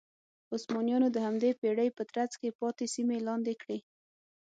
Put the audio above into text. عثمانیانو د همدې پېړۍ په ترڅ کې پاتې سیمې لاندې کړې.